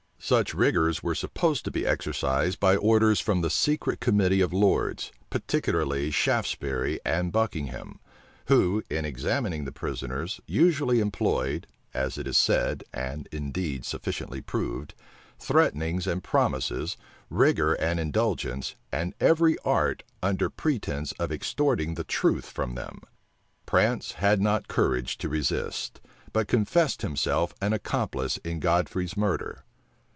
Such rigors were supposed to be exercised by orders from the secret committee of lords, particularly Shaftesbury and Buckingham; who, in examining the prisoners, usually employed (as it is said, and indeed sufficiently proved) threatenings and promises, rigor and indulgence, and every art, under pretence of extorting the truth from them. Prance had not courage to resist, but confessed himself an accomplice in Godfrey's murder.